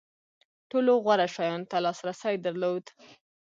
ټولو غوره شیانو ته لاسرسی درلود.